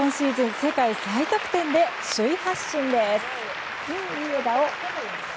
世界最高得点で首位発進です。